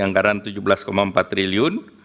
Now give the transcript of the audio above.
anggaran rp tujuh belas empat triliun